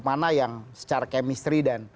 mana yang secara kemistri dan